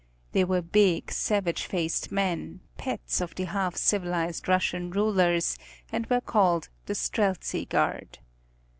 They were big, savage faced men, pets of the half civilized Russian rulers, and were called the Streltsi Guard.